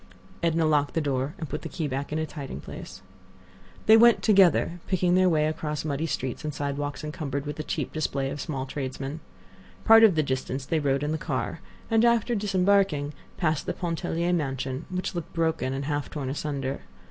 Edna locked the door and put the key back in its hiding place. They went together, picking their way across muddy streets and sidewalks encumbered with the cheap display of small tradesmen. Part of the distance they rode in the car, and after disembarking, passed the Pontellier mansion, which looked broken and half torn asunder.